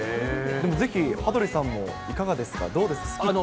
ぜひ、羽鳥さんもいかがですか、どうですか？